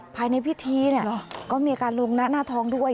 ภายในพิธีเนี่ยก็มีการลงหน้าทองด้วย